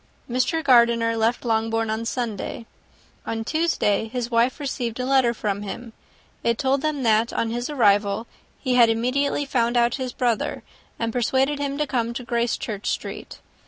Mr. Gardiner left Longbourn on Sunday; on Tuesday, his wife received a letter from him: it told them, that on his arrival he had immediately found out his brother, and persuaded him to come to Gracechurch Street.